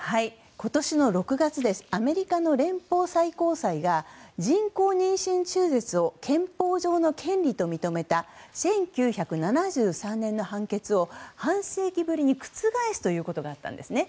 今年の６月アメリカの連邦最高裁が人工妊娠中絶を憲法上の権利と認めた１９７３年の判決を半世紀ぶりに覆すということがあったんですね。